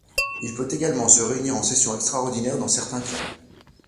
Il peut également se réunir en session extraordinaire dans certains cas.